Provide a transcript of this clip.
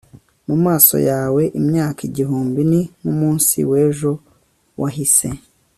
mu maso yawe imyaka igihumbi ni nk'umunsi w'ejo wahise